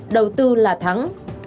đầu tư là thắng